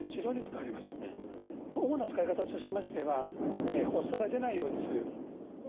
主な使い方としましては発作が出ないようにする使い方。